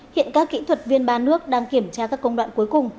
hiện các kỹ thuật viên ba nước đang kiểm tra các công đoạn cuối cùng